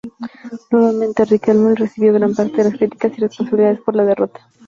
Nuevamente, Riquelme recibió gran parte de las críticas y responsabilidades por la derrota.